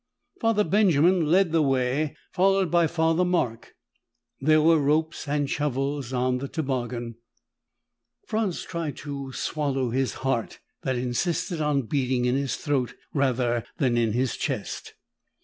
Father Benjamin led the way, followed by Father Mark. There were ropes and shovels on the toboggan. Franz tried to swallow his heart that insisted on beating in his throat, rather than in his chest.